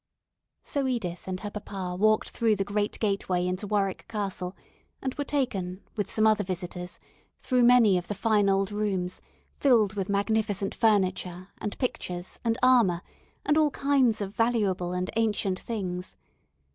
So Edith and her papa walked through the great gateway into Warwick Castle, and were taken, with some other visitors, through many of the fine old rooms, filled with magnificent furniture, and pictures, and armour, and all kinds of valuable and ancient things.